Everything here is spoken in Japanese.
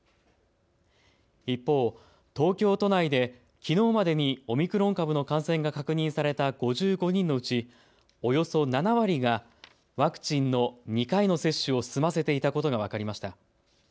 一方、東京都内で、きのうまでにオミクロン株の感染が確認された５５人のうちおよそ７割がワクチンの２回の接種を済ませていたことが分かりました。